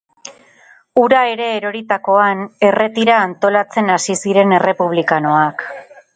Hura ere eroritakoan, erretira antolatzen hasi ziren errepublikanoak.